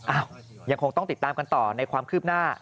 ยังคงต้องติดตามกันต่อในความคืบหน้า